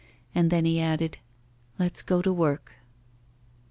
And then he added: 'Let's go to work.